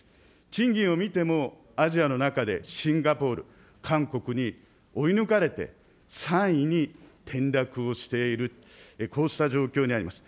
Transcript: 賃金を見ても、アジアの中でシンガポール、韓国に追い抜かれて３位に転落をしている、こうした状況にあります。